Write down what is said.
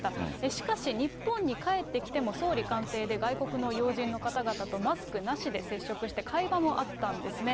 しかし、日本に帰ってきても総理官邸で外国の要人の方々とマスクなしで接触して、会話もあったんですね。